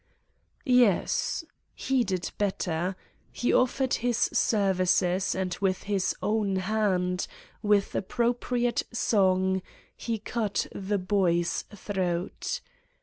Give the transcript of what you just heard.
' "Yes! He did better. He offered his services and with his own hand, with appropriate song, he cut the boy's throat.